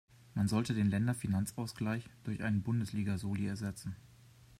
Man sollte den Länderfinanzausgleich durch einen Bundesliga-Soli ersetzen.